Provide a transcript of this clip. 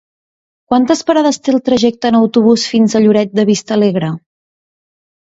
Quantes parades té el trajecte en autobús fins a Lloret de Vistalegre?